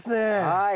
はい！